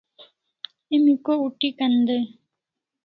Emi ko ut'ikan dai?